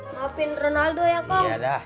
maafin renaldo ya pak